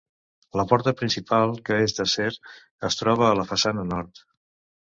La porta principal, que és d'acer, es troba a la façana nord.